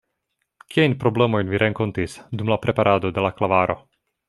Kiajn problemojn vi renkontis dum la preparado de la klavaro?